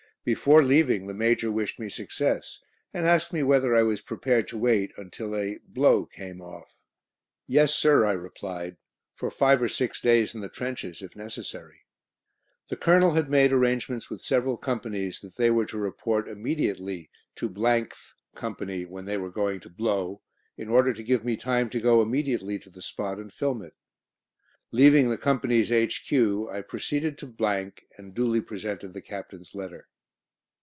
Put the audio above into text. Before leaving, the Major wished me success, and asked me whether I was prepared to wait until a "blow" came off? "Yes, sir," I replied, "for five or six days in the trenches, if necessary." The Colonel had made arrangements with several Companies that they were to report immediately to th Company when they were going to "blow," in order to give me time to go immediately to the spot and film it. Leaving the Company H.Q., I proceeded to , and duly presented the Captain's letter.